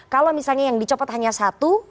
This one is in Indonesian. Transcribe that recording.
kalau misalnya yang dicopot hanya satu